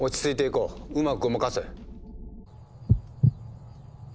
うまくごまかせ。